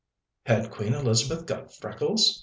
"Had Queen Elizabeth got freckles?